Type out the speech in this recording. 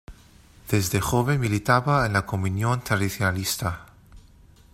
Desde joven militaba en la Comunión Tradicionalista.